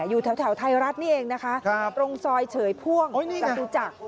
อยู่แถวไทยรัฐนี่เองโรงซอยเฉยพ่วงสัตวิจักร